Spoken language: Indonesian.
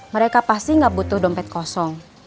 mereka pasti nggak butuh dompet kosong